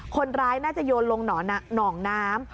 คนร้ายน่าจะโยนลงหนองน้ำ